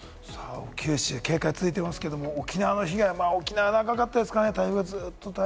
九州、警戒が続いていますけれども、沖縄の被害、台風が長かったですからね。